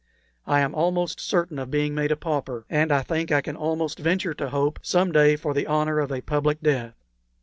I am almost certain of being made a pauper, and I think I can almost venture to hope some day for the honor of a public death."